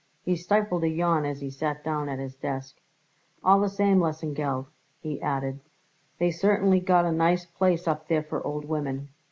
He stifled a yawn as he sat down at his desk. "All the same, Lesengeld," he added, "they certainly got a nice place up there for old women.